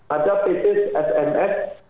ada pt smx